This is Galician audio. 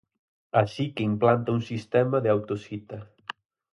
Así que implanta un sistema de autocita.